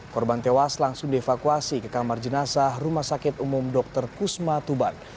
korban tewas langsung dievakuasi ke kamar jenazah rumah sakit umum dr kusma tuban